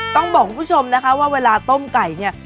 ต้องบอกคุณผู้ชมนะคะว่าเวลาต้มไก่เนี่ย